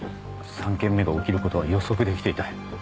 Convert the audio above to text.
３件目が起きることは予測できていた。